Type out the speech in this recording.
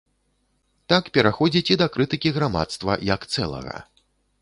Так пераходзіць і да крытыкі грамадства як цэлага.